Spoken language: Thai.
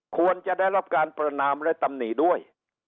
ควรจะได้รับการประนามและตำหนิด้วย